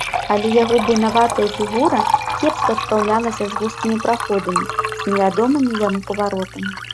Але яго буйнаватая фігура кепска спраўлялася з вузкімі праходамі, з невядомымі яму паваротамі.